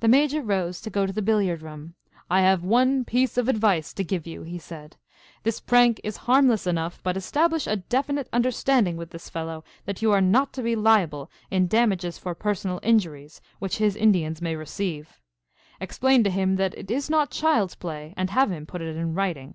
The Major rose to go to the billiard room. "I have one piece of advice to give you," he said. "This prank is harmless enough, but establish a definite understanding with this fellow that you are not to be liable in damages for personal injuries which his Indians may receive. Explain to him that it is not child's play and have him put it in writing."